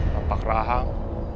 hai pak rahang